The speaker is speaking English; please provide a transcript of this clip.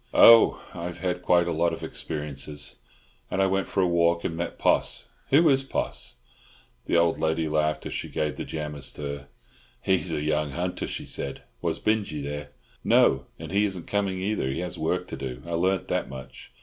"Oh, I've had quite a lot of experiences; and I went for a walk and met Poss. Who is Poss?" The old lady laughed as she gave the jam a stir. "He's a young Hunter," she said. "Was Binjie there?" "No; and he isn't coming either; he has work to do. I learnt that much.